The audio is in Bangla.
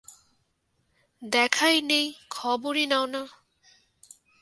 দেখাই নেই, খবরই নাও না।